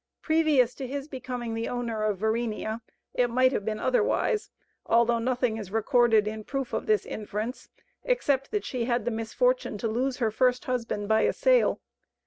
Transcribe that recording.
Previous to his becoming the owner of Verenea, it might have been otherwise, although nothing is recorded in proof of this inference, except that she had the misfortune to lose her first husband by a sale.